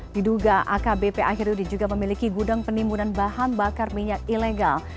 diduga akbp akhirudi juga memiliki gudang penimbunan bahan bakar minyak ilegal